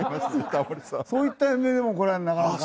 そういった意味でもこれはなかなか。